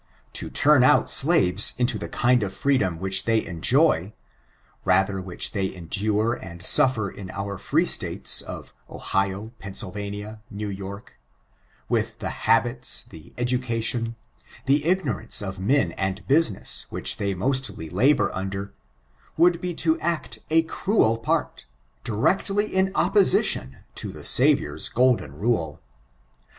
To turn out slaves into the kind of freedom which they enjoy — ^rather which they endure and suffer in our Free States, of Ohio, Pennsylvania, New York — ^with the habits, the education, the ignorance of men and business which they mostly labor under, would be to act a cruel part, directly in opposition to the Saviour's golden rule.